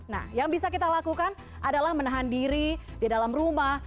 nah yang bisa kita lakukan adalah menahan diri di dalam rumah